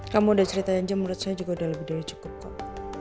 kamu udah ceritain jam menurut saya juga udah lebih dari cukup kok